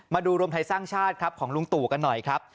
รวมไทยสร้างชาติครับของลุงตู่กันหน่อยครับ